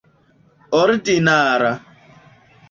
ordinara